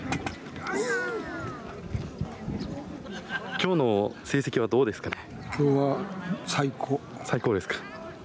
きょうの成績はどうですかね。